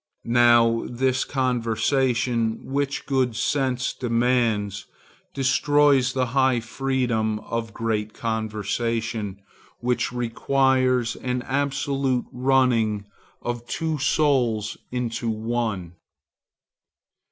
Now this convention, which good sense demands, destroys the high freedom of great conversation, which requires an absolute running of two souls into one.